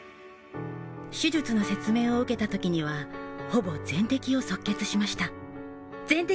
手術の説明を受けた時にはほぼ全摘を即決しました。